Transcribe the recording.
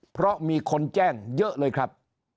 เพราะมีคนแจ้งเยอะเลยครับ